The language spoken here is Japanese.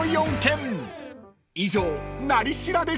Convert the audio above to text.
［以上「なり調」でした］